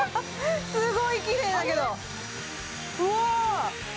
すごいきれいだけどうわ！